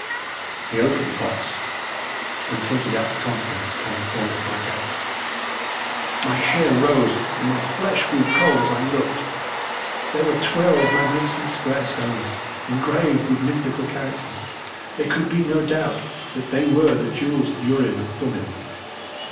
"He opened the box, and tilted out the contents upon the corner of my desk. My hair rose and my flesh grew cold as I looked. There were twelve magnificent square stones engraved with mystical characters. There could be no doubt that they were the jewels of the urim and thummim.